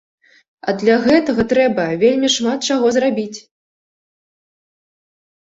А для гэтага трэба вельмі шмат чаго зрабіць.